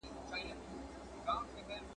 آيا دلته فقط درجه ذکر سوې ده؟